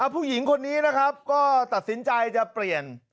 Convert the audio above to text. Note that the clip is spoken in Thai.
ผู้หญิงคนนี้นะครับก็ตัดสินใจจะเปลี่ยน